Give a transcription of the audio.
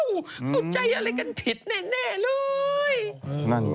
ตอบใจอะไรกลางผิดแน่เลย